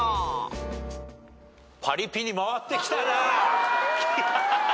パリピに回ってきたな。